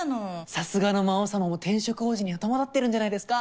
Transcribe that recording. さすがの魔王様も転職王子には戸惑ってるんじゃないですか？